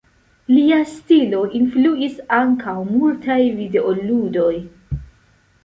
Lia stilo influis ankaŭ multaj videoludoj.